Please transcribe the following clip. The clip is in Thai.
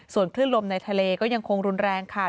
ส่วนคลื่นลมในทะเลก็ยังคงรุนแรงค่ะ